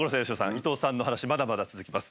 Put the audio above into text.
伊東さんの話まだまだ続きます。